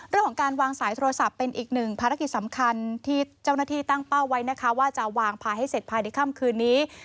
เรื่องของการวางสายโทรศัพท์เป็นอีกหนึ่งภารกิจสำคัญที่เจ้าหน้าที่ตั้งเป้าไว้นะคะว่าจะวางภายให้เสร็จภายในค่ำคืนนี้